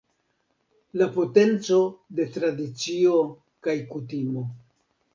La potenco de tradicio kaj kutimo.